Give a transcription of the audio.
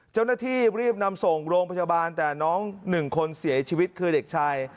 เจ้าหน้าที่รีบนำส่งโรงพยาบาลแต่น้องหนึ่งคนเสียชีวิตคือเด็กชาย